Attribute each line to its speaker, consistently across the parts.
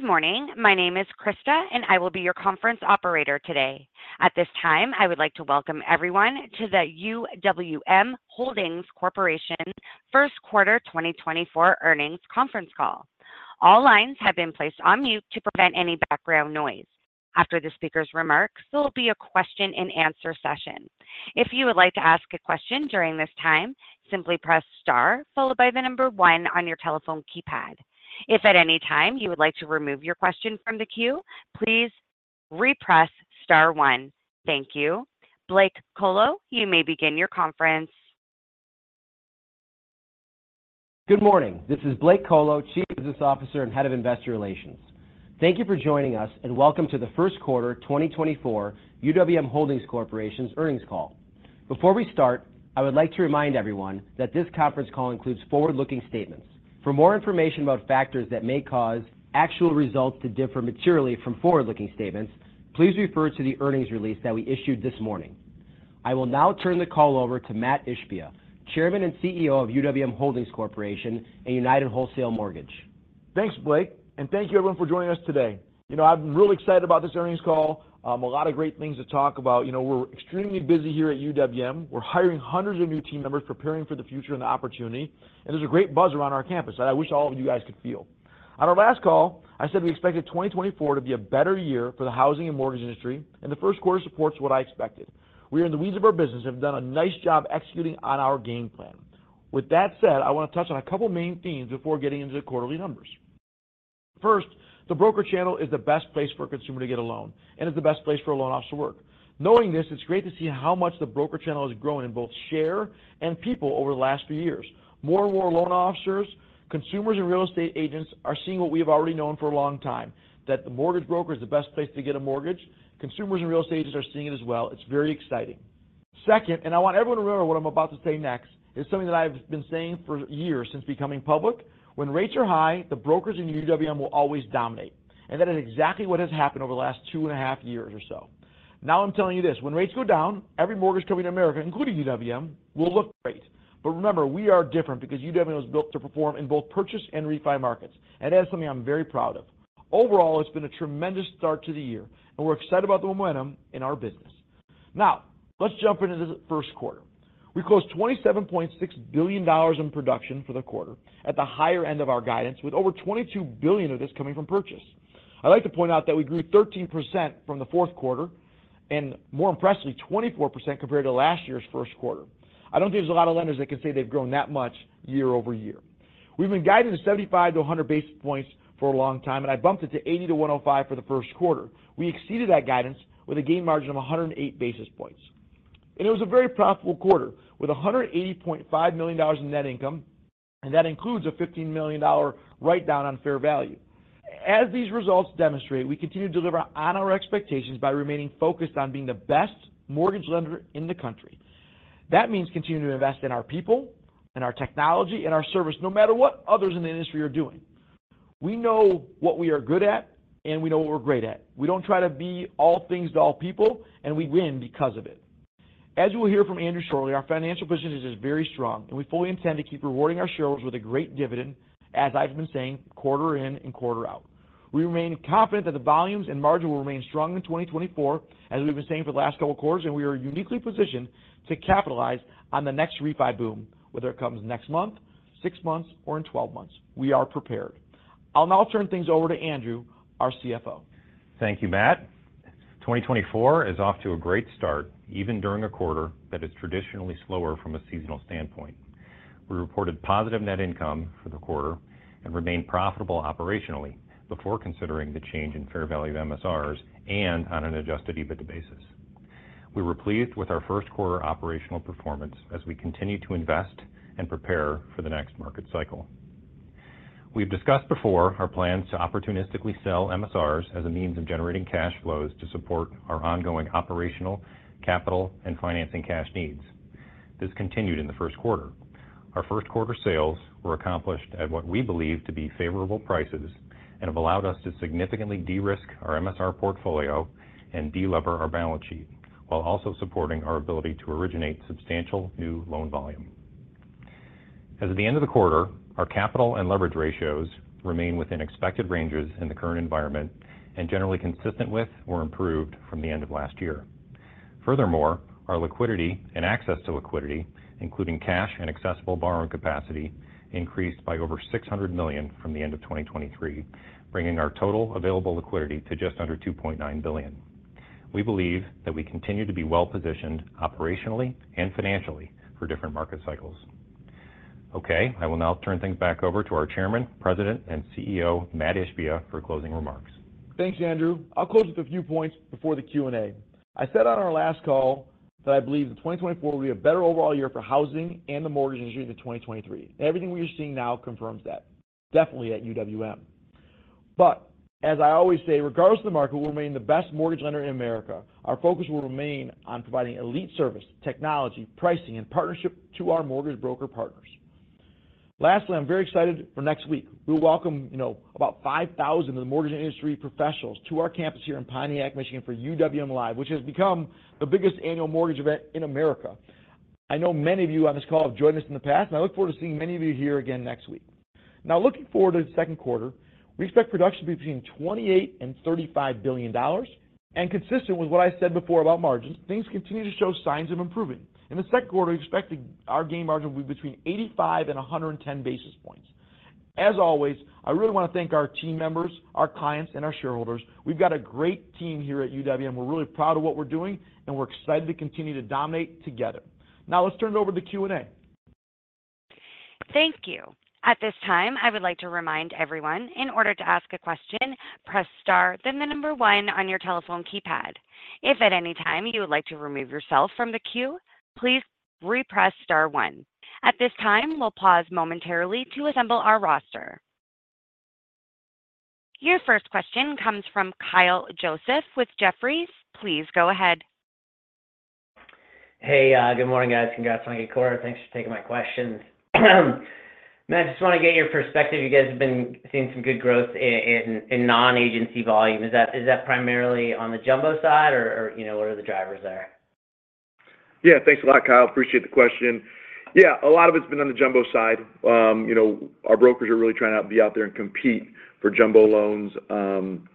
Speaker 1: Good morning. My name is Krista, and I will be your conference operator today. At this time, I would like to welcome everyone to the UWM Holdings Corporation first quarter 2024 earnings conference call. All lines have been placed on mute to prevent any background noise. After the speaker's remarks, there will be a question-and-answer session. If you would like to ask a question during this time, simply press star followed by the number 1 on your telephone keypad. If at any time you would like to remove your question from the queue, please re-press star one. Thank you. Blake Kolo, you may begin your conference.
Speaker 2: Good morning. This is Blake Kolo, Chief Business Officer and Head of Investor Relations. Thank you for joining us, and welcome to the first quarter 2024 UWM Holdings Corporation's earnings call. Before we start, I would like to remind everyone that this conference call includes forward-looking statements. For more information about factors that may cause actual results to differ materially from forward-looking statements, please refer to the earnings release that we issued this morning. I will now turn the call over to Mat Ishbia, Chairman and CEO of UWM Holdings Corporation and United Wholesale Mortgage.
Speaker 3: Thanks, Blake, and thank you everyone for joining us today. You know, I'm really excited about this earnings call. A lot of great things to talk about. You know, we're extremely busy here at UWM. We're hiring hundreds of new team members, preparing for the future and the opportunity, and there's a great buzz around our campus, and I wish all of you guys could feel. On our last call, I said we expected 2024 to be a better year for the housing and mortgage industry, and the first quarter supports what I expected. We are in the weeds of our business and have done a nice job executing on our game plan. With that said, I wanna touch on a couple main themes before getting into the quarterly numbers. First, the broker channel is the best place for a consumer to get a loan, and it's the best place for a loan officer to work. Knowing this, it's great to see how much the broker channel has grown in both share and people over the last few years. More and more loan officers, consumers, and real estate agents are seeing what we have already known for a long time: that the mortgage broker is the best place to get a mortgage. Consumers and real estate agents are seeing it as well. It's very exciting. Second, and I want everyone to remember what I'm about to say next, is something that I've been saying for years since becoming public: when rates are high, the brokers in UWM will always dominate. And that is exactly what has happened over the last 2.5 years or so. Now I'm telling you this: when rates go down, every mortgage company in America, including UWM, will look great. But remember, we are different because UWM was built to perform in both purchase and refinance markets, and that is something I'm very proud of. Overall, it's been a tremendous start to the year, and we're excited about the momentum in our business. Now, let's jump into the first quarter. We closed $27.6 billion in production for the quarter at the higher end of our guidance, with over $22 billion of this coming from purchase. I'd like to point out that we grew 13% from the fourth quarter and, more impressively, 24% compared to last year's first quarter. I don't think there's a lot of lenders that can say they've grown that much year-over-year. We've been guided to 75-100 basis points for a long time, and I bumped it to 80-105 for the first quarter. We exceeded that guidance with a gain margin of 108 basis points. It was a very profitable quarter with $180.5 million in net income, and that includes a $15 million write-down on fair value. As these results demonstrate, we continue to deliver on our expectations by remaining focused on being the best mortgage lender in the country. That means continuing to invest in our people, in our technology, in our service, no matter what others in the industry are doing. We know what we are good at, and we know what we're great at. We don't try to be all things to all people, and we win because of it. As you will hear from Andrew shortly, our financial position is just very strong, and we fully intend to keep rewarding our shareholders with a great dividend, as I've been saying, quarter in and quarter out. We remain confident that the volumes and margin will remain strong in 2024, as we've been saying for the last couple quarters, and we are uniquely positioned to capitalize on the next refinance boom, whether it comes next month, six months, or in 12 months. We are prepared. I'll now turn things over to Andrew, our CFO.
Speaker 4: Thank you, Mat. 2024 is off to a great start, even during a quarter that is traditionally slower from a seasonal standpoint. We reported positive net income for the quarter and remained profitable operationally before considering the change in fair value of MSRs and on an Adjusted EBITDA basis. We were pleased with our first quarter operational performance as we continue to invest and prepare for the next market cycle. We've discussed before our plans to opportunistically sell MSRs as a means of generating cash flows to support our ongoing operational capital and financing cash needs. This continued in the first quarter. Our first quarter sales were accomplished at what we believe to be favorable prices and have allowed us to significantly de-risk our MSR portfolio and delever our balance sheet, while also supporting our ability to originate substantial new loan volume. As of the end of the quarter, our capital and leverage ratios remain within expected ranges in the current environment and generally consistent with or improved from the end of last year. Furthermore, our liquidity and access to liquidity, including cash and accessible borrowing capacity, increased by over $600 million from the end of 2023, bringing our total available liquidity to just under $2.9 billion. We believe that we continue to be well-positioned operationally and financially for different market cycles. Okay, I will now turn things back over to our Chairman, President, and CEO, Mat Ishbia, for closing remarks.
Speaker 3: Thanks, Andrew. I'll close with a few points before the Q&A. I said on our last call that I believe that 2024 will be a better overall year for housing and the mortgage industry than 2023, and everything we are seeing now confirms that, definitely at UWM. But, as I always say, regardless of the market, we'll remain the best mortgage lender in America. Our focus will remain on providing elite service, technology, pricing, and partnership to our mortgage broker partners. Lastly, I'm very excited for next week. We'll welcome, you know, about 5,000 of the mortgage industry professionals to our campus here in Pontiac, Michigan, for UWM Live, which has become the biggest annual mortgage event in America. I know many of you on this call have joined us in the past, and I look forward to seeing many of you here again next week. Now, looking forward to the second quarter, we expect production to be between $28 billion-$35 billion. Consistent with what I said before about margins, things continue to show signs of improving. In the second quarter, we expect our gain margin to be between 85-110 basis points. As always, I really wanna thank our team members, our clients, and our shareholders. We've got a great team here at UWM. We're really proud of what we're doing, and we're excited to continue to dominate together. Now, let's turn it over to the Q&A.
Speaker 1: Thank you. At this time, I would like to remind everyone, in order to ask a question, press star then 1 on your telephone keypad. If at any time you would like to remove yourself from the queue, please re-press star 1. At this time, we'll pause momentarily to assemble our roster. Your first question comes from Kyle Joseph with Jefferies. Please go ahead.
Speaker 5: Hey, good morning, guys. Congrats on the good quarter. Thanks for taking my questions. Mat, just wanna get your perspective. You guys have been seeing some good growth in non-agency volume. Is that primarily on the jumbo side, or, you know, what are the drivers there?
Speaker 3: Yeah, thanks a lot, Kyle. Appreciate the question. Yeah, a lot of it's been on the jumbo side. You know, our brokers are really trying to be out there and compete for jumbo loans, from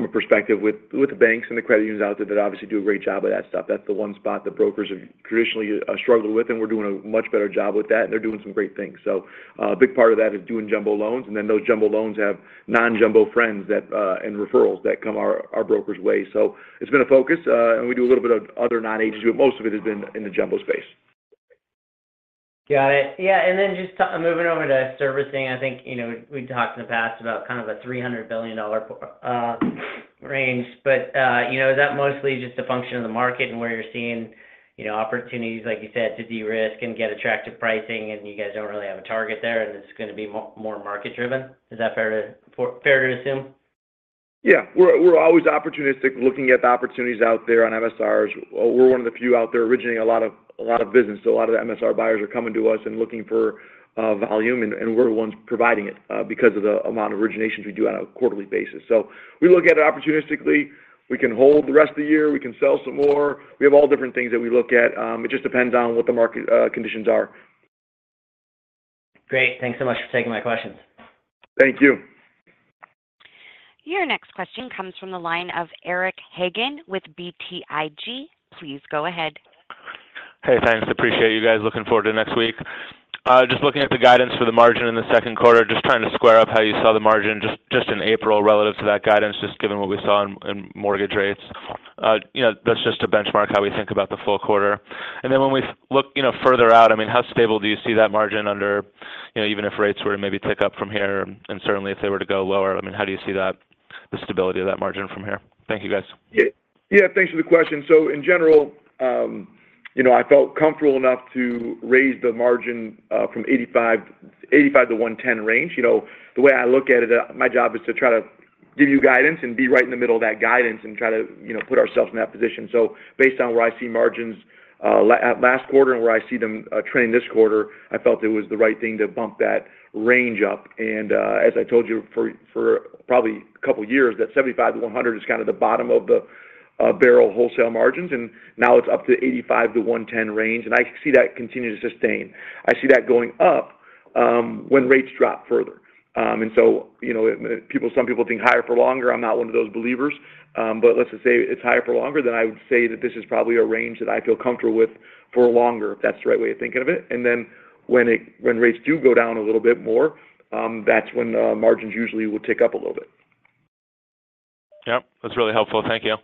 Speaker 3: a perspective with the banks and the credit unions out there that obviously do a great job of that stuff. That's the one spot that brokers have traditionally struggled with, and we're doing a much better job with that, and they're doing some great things. So, a big part of that is doing jumbo loans, and then those jumbo loans have non-jumbo friends that and referrals that come our brokers' way. So it's been a focus, and we do a little bit of other non-agency, but most of it has been in the jumbo space.
Speaker 5: Got it. Yeah, and then just to moving over to servicing, I think, you know, we talked in the past about kind of a $300 billion portfolio range. But, you know, is that mostly just a function of the market and where you're seeing, you know, opportunities, like you said, to de-risk and get attractive pricing, and you guys don't really have a target there, and it's gonna be more market-driven? Is that fair to assume?
Speaker 3: Yeah, we're always opportunistic, looking at the opportunities out there on MSRs. We're one of the few out there originating a lot of business. So a lot of the MSR buyers are coming to us and looking for volume, and we're the ones providing it, because of the amount of originations we do on a quarterly basis. So we look at it opportunistically. We can hold the rest of the year. We can sell some more. We have all different things that we look at. It just depends on what the market conditions are.
Speaker 5: Great. Thanks so much for taking my questions.
Speaker 3: Thank you.
Speaker 1: Your next question comes from the line of Eric Hagen with BTIG. Please go ahead.
Speaker 6: Hey, thanks. Appreciate you guys. Looking forward to next week. Just looking at the guidance for the margin in the second quarter, just trying to square up how you saw the margin just, just in April relative to that guidance, just given what we saw in, in mortgage rates. You know, that's just a benchmark how we think about the full quarter. And then when we look, you know, further out, I mean, how stable do you see that margin under, you know, even if rates were to maybe tick up from here and, and certainly if they were to go lower? I mean, how do you see that the stability of that margin from here? Thank you, guys.
Speaker 3: Yeah, yeah, thanks for the question. So in general, you know, I felt comfortable enough to raise the margin from 85-110 range. You know, the way I look at it, my job is to try to give you guidance and be right in the middle of that guidance and try to, you know, put ourselves in that position. So based on where I see margins at last quarter and where I see them trending this quarter, I felt it was the right thing to bump that range up. As I told you for probably a couple years, that 75-100 is kinda the bottom of the barrel wholesale margins, and now it's up to the 85-110 range. I see that continue to sustain. I see that going up when rates drop further. And so, you know, it may. People, some people think higher for longer. I'm not one of those believers. But let's just say it's higher for longer, then I would say that this is probably a range that I feel comfortable with for longer, if that's the right way of thinking of it. And then when rates do go down a little bit more, that's when margins usually will tick up a little bit.
Speaker 6: Yep, that's really helpful. Thank you.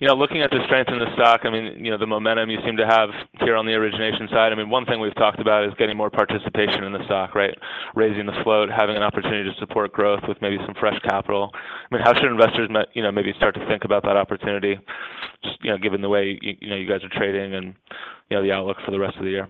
Speaker 6: You know, looking at the strength in the stock, I mean, you know, the momentum you seem to have here on the origination side, I mean, one thing we've talked about is getting more participation in the stock, right? Raising the float, having an opportunity to support growth with maybe some fresh capital. I mean, how should investors, you know, maybe start to think about that opportunity, you know, given the way you know, you guys are trading and, you know, the outlook for the rest of the year?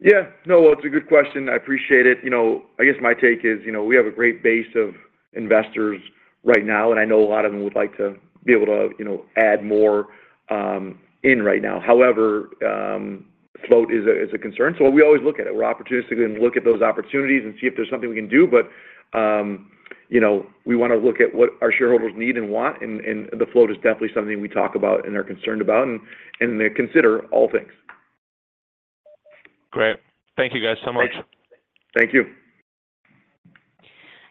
Speaker 3: Yeah, no, well, it's a good question. I appreciate it. You know, I guess my take is, you know, we have a great base of investors right now, and I know a lot of them would like to be able to, you know, add more in right now. However, float is a concern. So what we always look at it, we're opportunistically gonna look at those opportunities and see if there's something we can do. But, you know, we wanna look at what our shareholders need and want, and the float is definitely something we talk about and are concerned about, and they consider all things.
Speaker 6: Great. Thank you, guys, so much.
Speaker 3: Thank you.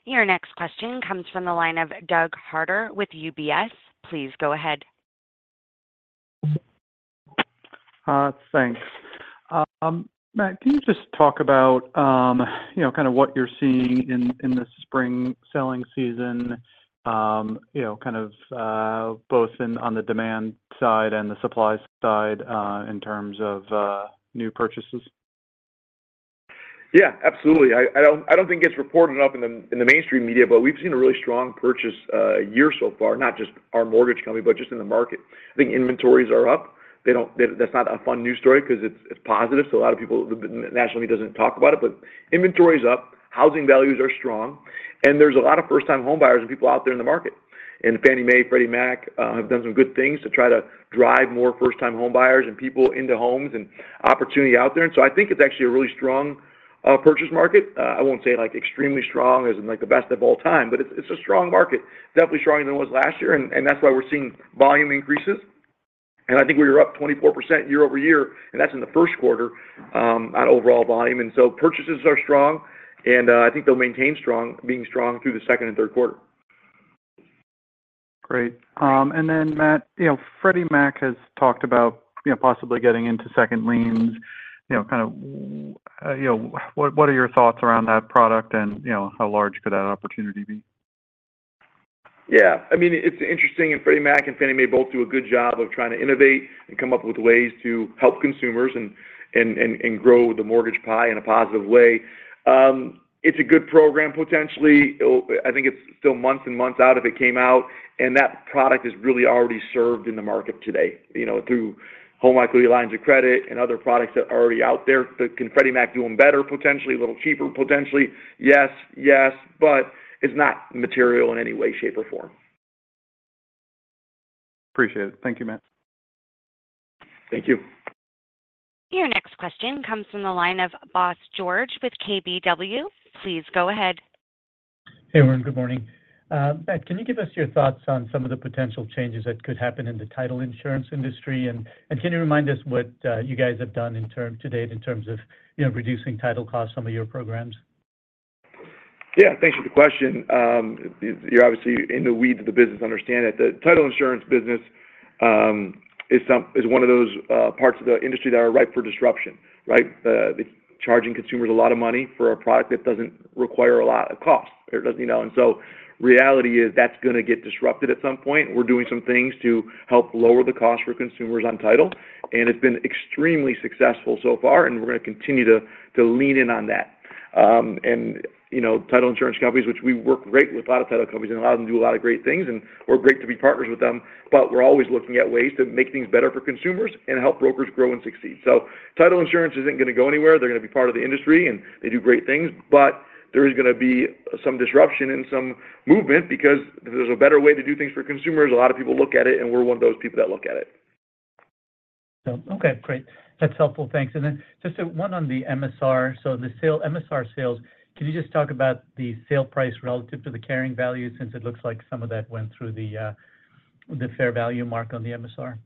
Speaker 1: Your next question comes from the line of Doug Harter with UBS. Please go ahead.
Speaker 7: Thanks. Matt, can you just talk about, you know, kinda what you're seeing in the spring selling season, you know, kind of, both on the demand side and the supply side, in terms of new purchases?
Speaker 3: Yeah, absolutely. I don't think it's reported enough in the mainstream media, but we've seen a really strong purchase year so far, not just our mortgage company, but just in the market. I think inventories are up. They don't; that's not a fun news story 'cause it's positive. So a lot of people, the national media doesn't talk about it, but inventory's up. Housing values are strong. And there's a lot of first-time homebuyers and people out there in the market. And Fannie Mae, Freddie Mac, have done some good things to try to drive more first-time homebuyers and people into homes and opportunity out there. And so I think it's actually a really strong purchase market. I won't say, like, the best of all time, but it's a strong market. Definitely stronger than it was last year, and that's why we're seeing volume increases. I think we were up 24% year-over-year, and that's in the first quarter, on overall volume. So purchases are strong, and I think they'll maintain being strong through the second and third quarter.
Speaker 7: Great. And then, Matt, you know, Freddie Mac has talked about, you know, possibly getting into second liens, you know, kind of, you know, what are your thoughts around that product and, you know, how large could that opportunity be?
Speaker 3: Yeah, I mean, it's interesting. And Freddie Mac and Fannie Mae both do a good job of trying to innovate and come up with ways to help consumers and grow the mortgage pie in a positive way. It's a good program, potentially. It'll, I think it's still months and months out if it came out. And that product is really already served in the market today, you know, through Home Equity Lines of Credit and other products that are already out there. Can Freddie Mac do them better, potentially, a little cheaper, potentially? Yes, yes, but it's not material in any way, shape, or form.
Speaker 7: Appreciate it. Thank you, Matt.
Speaker 3: Thank you.
Speaker 1: Your next question comes from the line of Bose George with KBW. Please go ahead.
Speaker 8: Hey, everyone. Good morning. Matt, can you give us your thoughts on some of the potential changes that could happen in the title insurance industry? And can you remind us what you guys have done in terms to date in terms of, you know, reducing title costs, some of your programs?
Speaker 3: Yeah, thanks for the question. You're obviously in the weeds of the business, understand it. The title insurance business is one of those parts of the industry that are ripe for disruption, right? The charging consumers a lot of money for a product that doesn't require a lot of cost. It doesn't, you know. And so reality is that's gonna get disrupted at some point. We're doing some things to help lower the cost for consumers on title, and it's been extremely successful so far, and we're gonna continue to lean in on that. you know, title insurance companies, which we work great with a lot of title companies, and a lot of them do a lot of great things, and we're great to be partners with them, but we're always looking at ways to make things better for consumers and help brokers grow and succeed. So title insurance isn't gonna go anywhere. They're gonna be part of the industry, and they do great things, but there is gonna be some disruption and some movement because if there's a better way to do things for consumers, a lot of people look at it, and we're one of those people that look at it.
Speaker 8: So okay, great. That's helpful. Thanks. And then just a one on the MSR. So the sale MSR sales, can you just talk about the sale price relative to the carrying value since it looks like some of that went through the fair value mark on the MSR?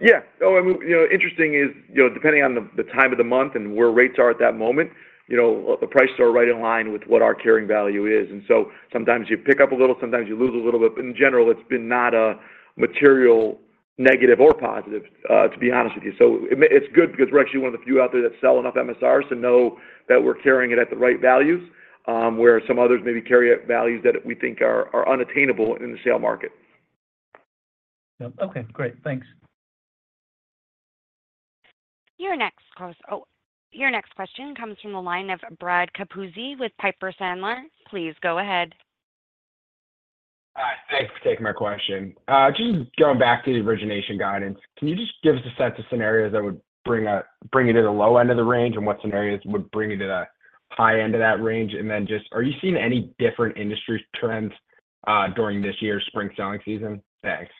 Speaker 3: Yeah. Oh, I mean, you know, interesting is, you know, depending on the time of the month and where rates are at that moment, you know, the prices are right in line with what our carrying value is. And so sometimes you pick up a little. Sometimes you lose a little bit. But in general, it's been not a material negative or positive, to be honest with you. So it's good because we're actually one of the few out there that sell enough MSRs to know that we're carrying it at the right values, where some others maybe carry at values that we think are unattainable in the sale market.
Speaker 8: Yep. Okay, great. Thanks.
Speaker 1: Your next caller. Oh, your next question comes from the line of Brad Capuzzi with Piper Sandler. Please go ahead.
Speaker 9: Hi, thanks for taking my question. Just going back to the origination guidance, can you just give us a set of scenarios that would bring it to the low end of the range and what scenarios would bring it to the high end of that range? And then just are you seeing any different industry trends during this year's spring selling season? Thanks.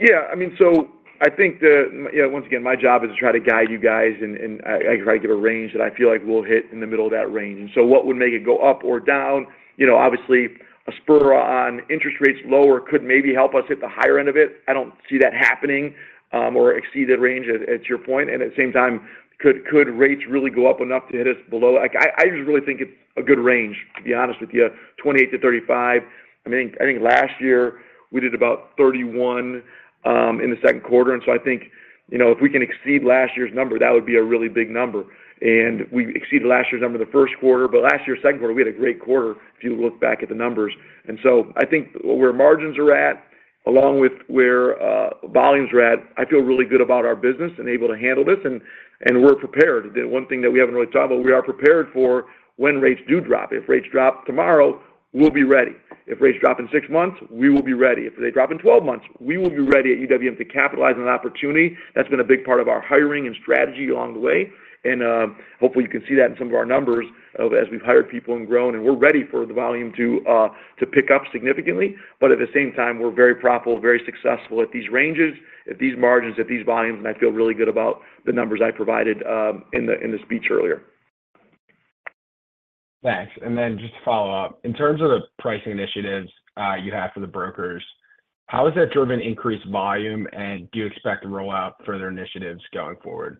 Speaker 3: Yeah, I mean, so I think, once again, my job is to try to guide you guys and I try to give a range that I feel like we'll hit in the middle of that range. And so what would make it go up or down? You know, obviously, a spurt in interest rates lower could maybe help us hit the higher end of it. I don't see that happening, or exceed that range at this point. And at the same time, could rates really go up enough to hit us below? Like, I just really think it's a good range, to be honest with you, 28-35. I mean, I think last year, we did about 31, in the second quarter. And so I think, you know, if we can exceed last year's number, that would be a really big number. We exceeded last year's number in the first quarter, but last year's second quarter, we had a great quarter if you look back at the numbers. So I think where margins are at, along with where volumes are at, I feel really good about our business and able to handle this, and we're prepared. The one thing that we haven't really talked about, we are prepared for when rates do drop. If rates drop tomorrow, we'll be ready. If rates drop in six months, we will be ready. If they drop in 12 months, we will be ready at UWM to capitalize on that opportunity. That's been a big part of our hiring and strategy along the way. Hopefully, you can see that in some of our numbers as we've hired people and grown, and we're ready for the volume to pick up significantly. But at the same time, we're very profitable, very successful at these ranges, at these margins, at these volumes. I feel really good about the numbers I provided in the speech earlier.
Speaker 9: Thanks. And then just to follow up, in terms of the pricing initiatives, you have for the brokers, how is that driven increased volume? And do you expect to roll out further initiatives going forward?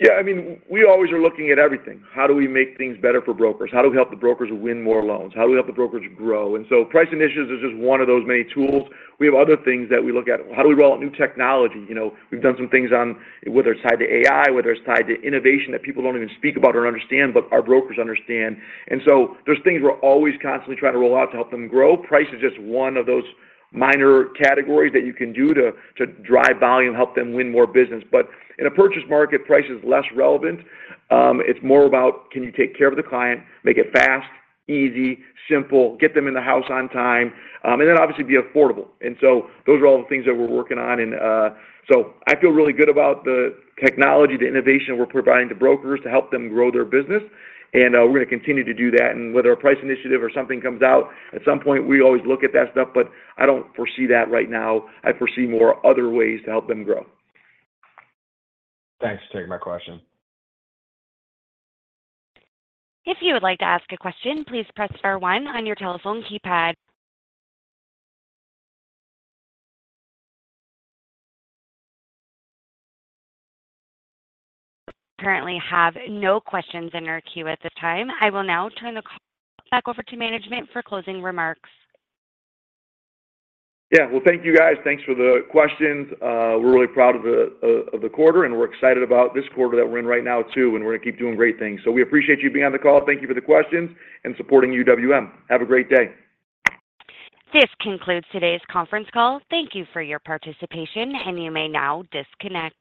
Speaker 3: Yeah, I mean, we always are looking at everything. How do we make things better for brokers? How do we help the brokers win more loans? How do we help the brokers grow? And so pricing initiatives are just one of those many tools. We have other things that we look at. How do we roll out new technology? You know, we've done some things on whether it's tied to AI, whether it's tied to innovation that people don't even speak about or understand, but our brokers understand. And so there's things we're always constantly trying to roll out to help them grow. Price is just one of those minor categories that you can do to drive volume, help them win more business. But in a purchase market, price is less relevant. It's more about can you take care of the client, make it fast, easy, simple, get them in the house on time, and then obviously be affordable. And so those are all the things that we're working on. And so I feel really good about the technology, the innovation we're providing to brokers to help them grow their business. And we're gonna continue to do that. And whether a price initiative or something comes out at some point, we always look at that stuff, but I don't foresee that right now. I foresee more other ways to help them grow.
Speaker 9: Thanks for taking my question.
Speaker 1: If you would like to ask a question, please press star 1 on your telephone keypad. Currently have no questions in our queue at this time. I will now turn the call back over to management for closing remarks.
Speaker 3: Yeah, well, thank you, guys. Thanks for the questions. We're really proud of the quarter, and we're excited about this quarter that we're in right now too, and we're gonna keep doing great things. So we appreciate you being on the call. Thank you for the questions and supporting UWM. Have a great day.
Speaker 1: This concludes today's conference call. Thank you for your participation, and you may now disconnect.